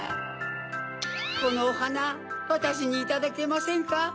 このおはなわたしにいただけませんか？